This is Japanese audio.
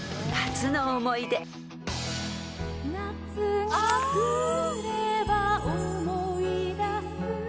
「夏が来れば思い出す」